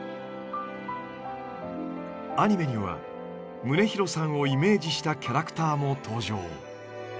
アニメには宗郭さんをイメージしたキャラクターも登場。